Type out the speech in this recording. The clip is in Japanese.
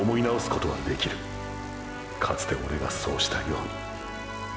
かつてオレがそうしたように。